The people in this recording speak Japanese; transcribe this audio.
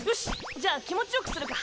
じゃあ気持ちよくするか。